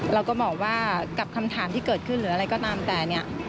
เราก็บอกว่ากับคำถามที่เกิดขึ้นหรืออะไรก็ตามแต่เนี่ย